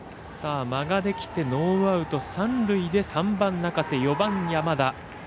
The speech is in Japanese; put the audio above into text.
間ができてノーアウト、三塁で３番、中瀬、４番、山田。